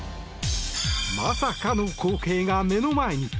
まさかの光景が目の前に。